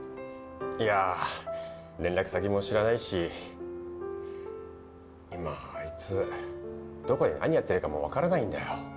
いや連絡先も知らないし今あいつどこで何やってるかも分からないんだよ